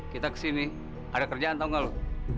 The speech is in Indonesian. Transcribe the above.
kita kesini ada kerjaan tau gak loh